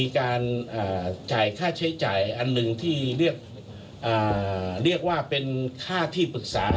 การจ่ายค่าใช้จ่ายอันหนึ่งที่เรียกว่าเป็นค่าที่ปรึกษา